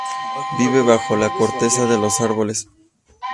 Viven bajo la corteza de los árboles.